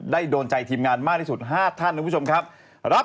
โดนใจทีมงานมากที่สุด๕ท่านนะครับคุณผู้ชมครับ